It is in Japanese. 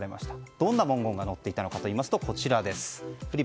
どんな文言が載っていたのかというとこちらです。